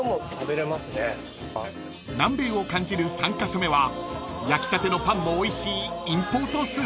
［南米を感じる３カ所目は焼きたてのパンもおいしいインポートスーパー］